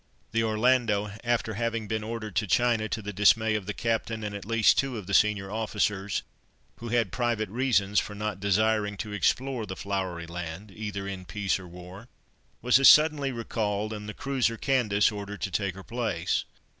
The Orlando, after having been ordered to China, to the dismay of the captain, and at least two of the senior officers, who had private reasons for not desiring to explore the Flowery Land, either in peace or war, was as suddenly recalled, and the cruiser Candace ordered to take her place.